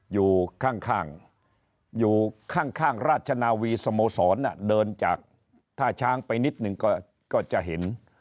อยู่ข้างอยู่ข้างราชนาวีสโมสรเดินจากท่าช้างไปนิดนึงก็จะเห็น